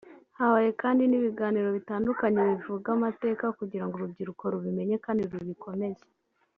Habaye kandi n’ibiganiro bitandukanye bivuga amateka kugirango urubyiruko rubimenye kandi rubikomeze